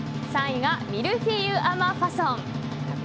３位がミルフイユアマファソン。